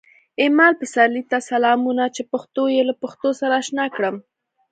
ایمل پسرلي ته سلامونه چې پښتو یې له پښتو سره اشنا کړم